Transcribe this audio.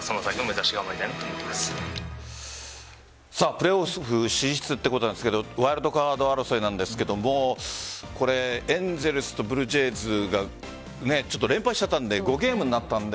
プレーオフ進出ってことなんですがワイルドカード争いなんですがエンゼルスとブルージェイズが連敗しちゃったので５ゲームになったので